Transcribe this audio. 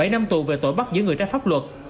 bảy năm tù về tội bắt giữ người trái pháp luật